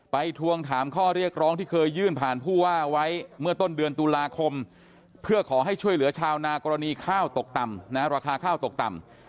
ทวงถามข้อเรียกร้องที่เคยยื่นผ่านผู้ว่าไว้เมื่อต้นเดือนตุลาคมเพื่อขอให้ช่วยเหลือชาวนากรณีข้าวตกต่ำราคาข้าวตกต่ำ